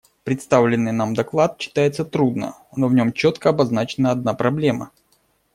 Представленный нам доклад читается трудно, но в нем четко обозначена одна проблема.